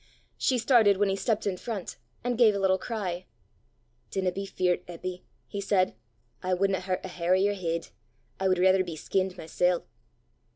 She started when he stepped in front, and gave a little cry. "Dinna be feart, Eppy," he said; "I wudna hurt a hair o' yer heid. I wud raither be skinned mysel'!"